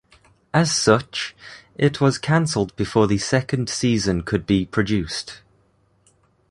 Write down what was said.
As such, it was canceled before the second season could be produced.